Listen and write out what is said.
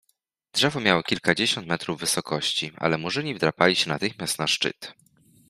Drzewo miało kilkadziesiąt metrów wysokości, ale Murzyni wdrapali się natychmiast na szczyt.